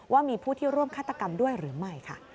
ว่ามีผู้ที่ร่วมฆาตกรรมด้วยหรือไม่ค่ะ